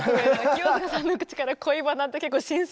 清塚さんの口から「恋バナ」って結構新鮮。